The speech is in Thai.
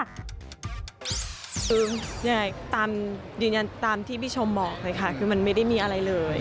คือยังไงตามยืนยันตามที่พี่ชมบอกเลยค่ะคือมันไม่ได้มีอะไรเลย